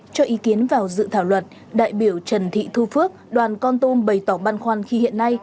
cho ý kiến vào dự thảo luận đại biểu trần thị thu phước đoàn con tôm bày tỏ băn khoan khi hiện nay